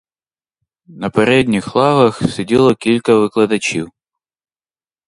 На передніх лавах сиділо кілька викладачів.